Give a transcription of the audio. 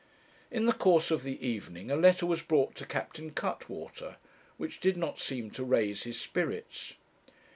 In the course of the evening a letter was brought to Captain Cuttwater, which did not seem to raise his spirits.